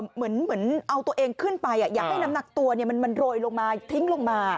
เหมือนเอาตัวเองขึ้นไปอยากให้น้ำหนักตัวมันโรยลงมาทิ้งลงมา